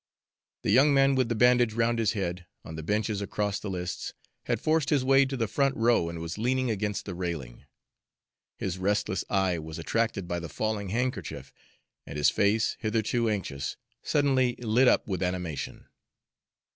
The young man with the bandage round his head, on the benches across the lists, had forced his way to the front row and was leaning against the railing. His restless eye was attracted by the falling handkerchief, and his face, hitherto anxious, suddenly lit up with animation.